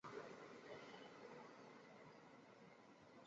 镰刀状红血球疾病的问题通常会在五到六个月龄时发作。